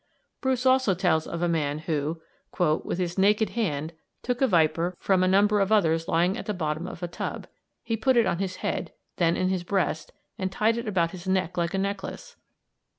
Bruce also tells of a man who "with his naked hand took a viper from a number of others lying at the bottom of a tub. He put it on his head, then in his breast, and tied it about his neck like a necklace.